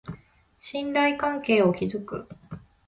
信頼関係を築く